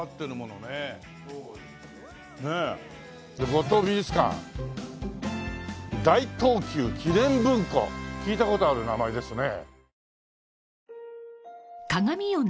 「五島美術館」「大東急記念文庫」聞いた事ある名前ですね。